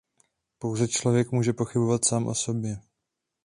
Pouze člověk může pochybovat sám o sobě.